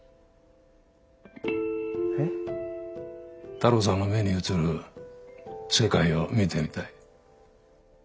太郎さんの目に映る世界を見てみたい。